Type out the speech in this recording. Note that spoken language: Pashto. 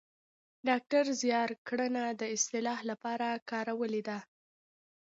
ډاکتر زیار ګړنه د اصطلاح لپاره کارولې ده